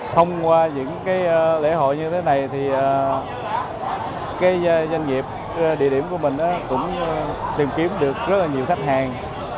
thông qua những lễ hội như thế này thì cái doanh nghiệp địa điểm của mình cũng tìm kiếm được rất là nhiều khách hàng